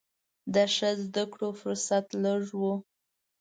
د ښه زده کړو فرصت لږ و.